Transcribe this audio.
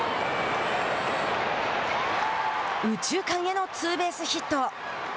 右中間へのツーベースヒット。